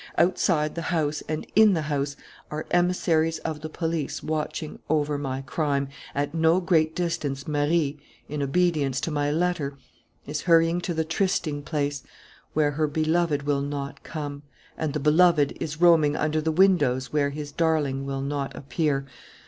Outside the house and in the house are emissaries of the police watching over my crime. At no great distance, Marie, in obedience to my letter, is hurrying to the trysting place, where her beloved will not come. And the beloved is roaming under the windows where his darling will not appear.